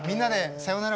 さようなら！